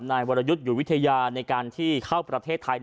นายวรยุทธ์อยู่วิทยาในการที่เข้าประเทศไทย